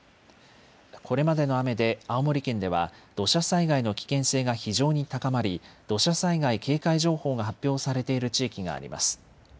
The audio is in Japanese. これまでの雨で青森県では土砂災害の危険性が非常に高まり土砂災害警戒情報が発表されている地域があります。